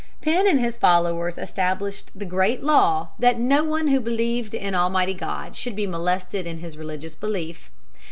Penn and his followers established the great law that no one who believed in Almighty God should be molested in his religious belief.